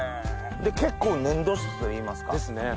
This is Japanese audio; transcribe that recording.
結構粘土質といいますか。ですね。